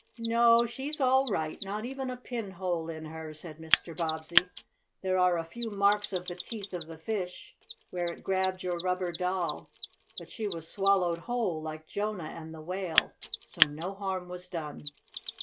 "No, she's all right not even a pinhole in her," said Mr. Bobbsey. "There are a few marks of the teeth of the fish, where it grabbed your rubber doll, but she was swallowed whole, like Jonah and the whale, so no harm was done."